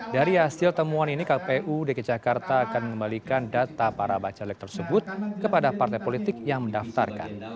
dari hasil temuan ini kpu dki jakarta akan mengembalikan data para bacalek tersebut kepada partai politik yang mendaftarkan